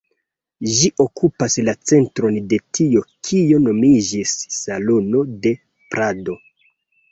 Ĝi okupas la centron de tio kio nomiĝis Salono de Prado.